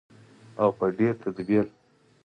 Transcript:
او په ډیر تدبیر.